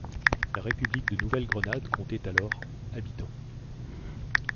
La République de Nouvelle-Grenade comptait alors habitants.